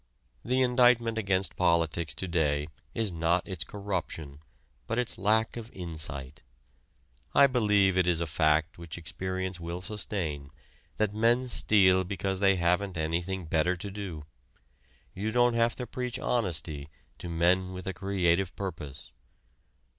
The indictment against politics to day is not its corruption, but its lack of insight. I believe it is a fact which experience will sustain that men steal because they haven't anything better to do. You don't have to preach honesty to men with a creative purpose.